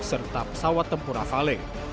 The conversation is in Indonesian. serta pesawat tempura vale